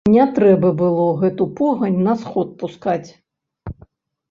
Не трэба было гэту погань на сход пускаць.